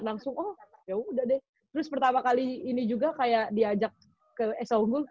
langsung oh yaudah deh terus pertama kali ini juga kayak diajak ke eso unggul